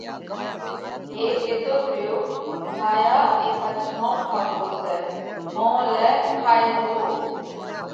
هيڪ ڪيتوت ريو: ڀايا اي ڀت جوم ٺائُوڪو سئہ، هون لئہ کائي زو۔